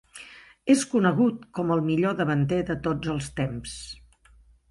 És conegut com el millor davanter de tots el temps.